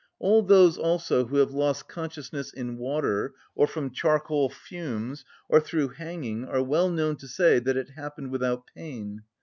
All those also who have lost consciousness in water, or from charcoal fumes, or through hanging are well known to say that it happened without pain.